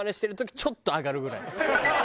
ちょっと上がるぐらい。